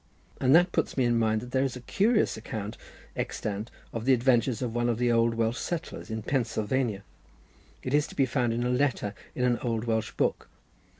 And that puts me in mind that there is a curious account extant of the adventures of one of the old Welsh settlers in Pensilvania. It is to be found in a letter in an old Welsh book.